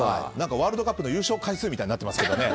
ワールドカップの優勝回数みたいになってますね。